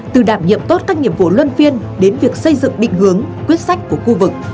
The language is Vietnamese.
từ đảm nhiệm tốt các nhiệm vụ luân phiên đến việc xây dựng định hướng quyết sách của khu vực